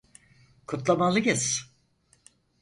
Kutlamalıyız.